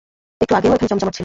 একটু আগেও এখানে জমজমাট ছিল।